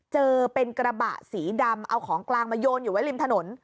เจอเป็นกระบะสีดำเอาของกลางมาโยนอยู่ไว้ริมถนน